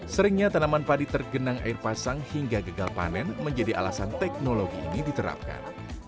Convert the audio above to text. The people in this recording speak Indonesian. seringnya tanaman padi tergenang air pasang hingga gagal panen menjadi alasan teknologi ini diterapkan